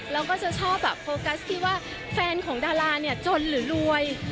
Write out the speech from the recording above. แล้วก็จะชอบแบบโฟกัสที่ว่าแฟนของดาราเนี่ยจนหรือรวย